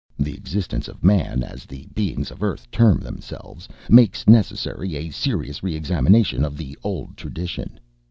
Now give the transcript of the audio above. The existence of man, as the beings of Earth term themselves, makes necessary a serious re examination of the old tradition.